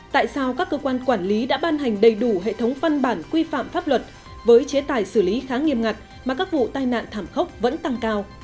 tại sao các cơ quan quản lý đã ban hành đầy đủ hệ thống văn bản quy phạm pháp luật với chế tài xử lý khá nghiêm ngặt mà các vụ tai nạn thảm khốc vẫn tăng cao